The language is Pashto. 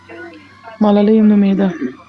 ملالۍ نومېده.